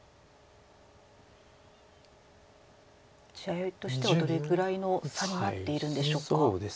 地合いとしてはどれぐらいの差になっているんでしょうか。